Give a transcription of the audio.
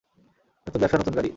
নতুন ব্যবসা নতুন গাড়ি।